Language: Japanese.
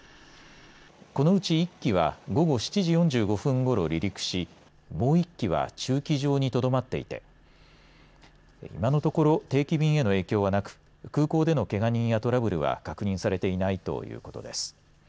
このうち１機は午後７時４５分ごろに離陸しもう１機は駐機場にとどまっていて今のところ定期便への影響はなく空港でのけが人やトラブルは確認されていないということです。